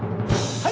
はい！